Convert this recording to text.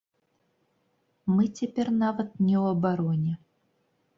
Мы цяпер нават не ў абароне.